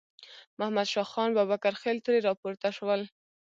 محمد شاه خان بابکرخېل ترې راپورته شول.